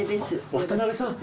渡辺さん？